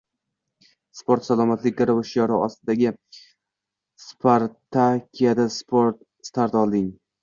“Sport – salomatlik garovi” shiori ostidagi spartakiada start olding